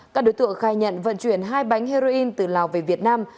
các đối tượng khai nhận vận chuyển hai bánh heroin từ lào về việt nam